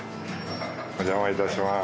お邪魔いたします